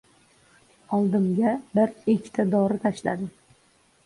Oldimga bir-ikkita dori tashladi.